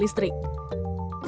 infrastruktur mobil bertenaga listrik